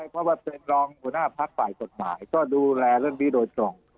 เพราะว่าเป็นรองหัวหน้าพักฝ่ายกฎหมายก็ดูแลเรื่องนี้โดยตรง